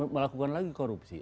melakukan lagi korupsi